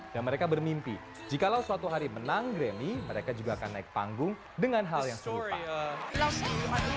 dan mereka bermimpi jikalau suatu hari menang grammy mereka juga akan naik panggung dengan hal yang serupa